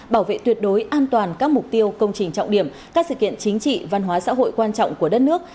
bảo vệ tuyệt đối an toàn các mục tiêu công trình trọng điểm các sự kiện chính trị văn hóa xã hội quan trọng của đất nước